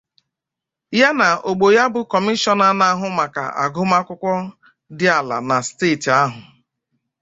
ya na ògbò ya bụ Kọmishọna na-ahụ maka agụmakwụkwọ dị ala na steeti ahụ